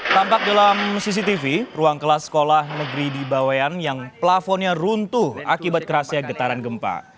tampak dalam cctv ruang kelas sekolah negeri di bawean yang plafonnya runtuh akibat kerasnya getaran gempa